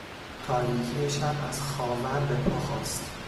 تاریکی شب از خاور به پا خاست.